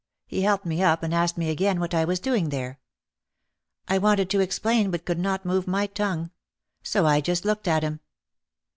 He helped me up and asked me again what I was doing there. I wanted to explain but could not move my tongue. So I just looked at him.